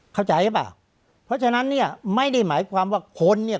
เข้าใจหรือเปล่าเพราะฉะนั้นเนี่ยไม่ได้หมายความว่าคนเนี่ย